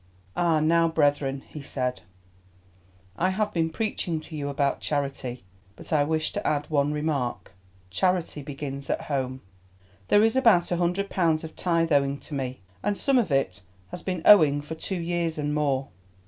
"And now, brethren," he said, "I have been preaching to you about charity, but I wish to add one remark, Charity begins at home. There is about a hundred pounds of tithe owing to me, and some of it has been owing for two years and more.